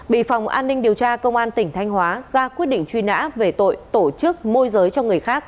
bị phòng an ninh điều tra công an tp hcm ra quyết định truy nã về tội tổ chức môi giới cho người khác